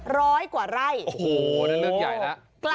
ร้อยกว่าไร่โอ้โฮ้ในเรื่องใหญ่ละ